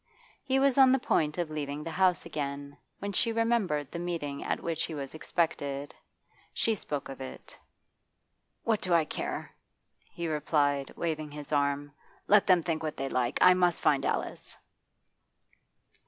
He was on the point of leaving the house again, when she remembered the meeting at which he was expected. She spoke of it. 'What do I care?' he replied, waving his arm. 'Let them think what they like. I must find Alice.